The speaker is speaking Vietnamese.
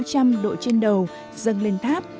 trăm độ trên đầu dâng lên tháp